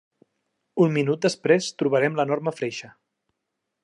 Un minut després trobarem l'enorme freixe.